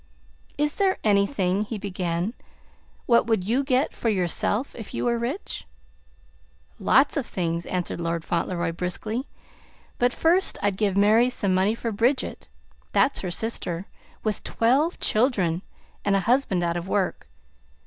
"Is there anything " he began. "What would you get for yourself, if you were rich?" "Lots of things!" answered Lord Fauntleroy briskly; "but first I'd give Mary some money for Bridget that's her sister, with twelve children, and a husband out of work.